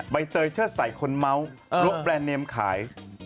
ใบเตยเชิดใส่คนเมาส์ลบแรนด์เนมขาย